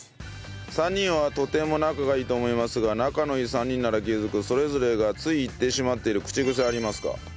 ３人はとても仲がいいと思いますが仲のいい３人なら気づくそれぞれがつい言ってしまっている口癖ありますか？